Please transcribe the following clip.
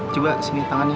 coba sini tangannya